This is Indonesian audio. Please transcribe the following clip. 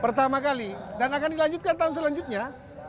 pertama kali dan akan dilanjutkan tahun selanjutnya